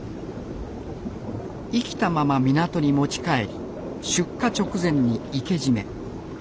生きたまま港に持ち帰り出荷直前に生け締め。